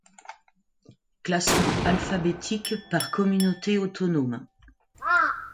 Classement alphabétique par Communautés autonomes.